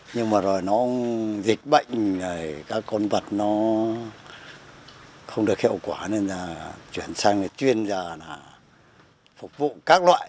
nhưng mà rồi nó dịch bệnh rồi các con vật nó không được hiệu quả nên là chuyển sang chuyên ra là phục vụ các loại